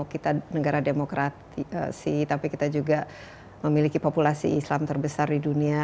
kita negara demokrasi tapi kita juga memiliki populasi islam terbesar di dunia